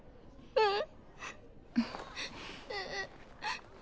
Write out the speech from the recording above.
うん。